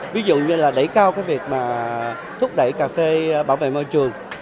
ví dụ như là đẩy cao cái việc mà thúc đẩy cà phê bảo vệ môi trường